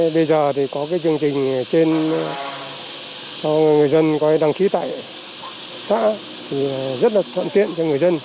bây giờ thì có cái chương trình cho người dân có cái đăng ký tại xã thì rất là thoạn tiện cho người dân